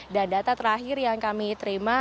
dan data terakhir yang kami terima